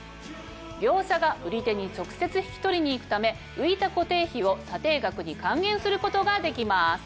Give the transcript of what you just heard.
業者が売り手に直接引き取りに行くため浮いた固定費を査定額に還元することができます。